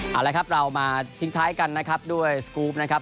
เอาละครับเรามาทิ้งท้ายกันนะครับด้วยสกรูปนะครับ